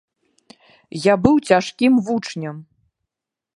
Я быў цяжкім вучнем.